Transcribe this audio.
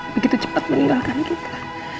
begitu cepat meninggalkan kita